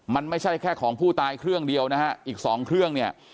มันไม่ใช่แค่ของผู้ตายเครื่องเดียวนะฮะอีกสองเครื่องเนี่ย